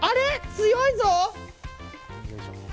強いぞ。